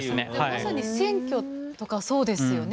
まさに選挙とかそうですよね。